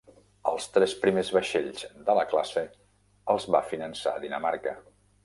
Els tres primers vaixells de la classe els va finançar Dinamarca.